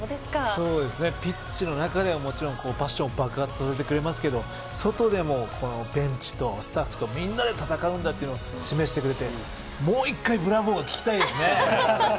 そうですね、ピッチの中ではもちろんパッション爆発させますけどベンチとスタッフとみんなで戦うんだということを示してくれてもう１回ブラボーが聞きたいですね。